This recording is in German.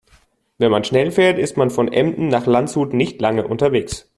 Wenn man schnell fährt, ist man von Emden nach Landshut nicht lange unterwegs